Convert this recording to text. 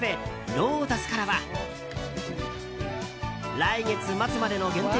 ロータスからは来月末までの限定